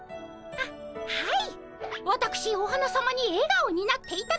はっはい。